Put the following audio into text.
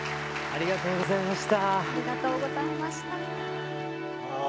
ありがとうございます。